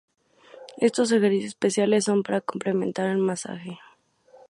Estos ejercicios especiales son para complementar el masaje.